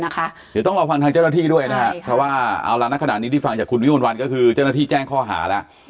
เดี๋ยวต้องรอฟังทางเจ้าหน้าที่ด้วยนะครับเพราะว่าเอาละนะขณะนี้ที่ฟังจากคุณวิมวลวันก็คือเจ้าหน้าที่แจ้งข้อหาแล้ว